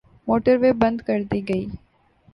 Motorway بند کردی گئی۔